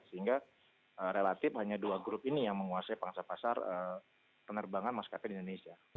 sehingga relatif hanya dua grup ini yang menguasai pangsa pasar penerbangan maskapai di indonesia